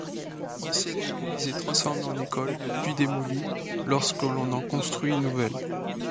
L'ancienne église est transformée en école, puis démolie, lorsque l'on en construit une nouvelle.